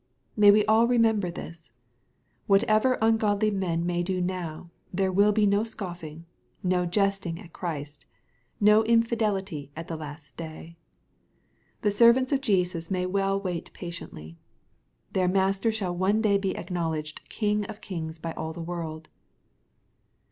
May we all remember this. (Whatever ungodly men may do now, there will be no scoffing, no jesti ng a t Christ, no infidelity at the last day.^ The servants of Jesus may well wait patiently. Their master shall one day be acknowledged King of kings by all the world.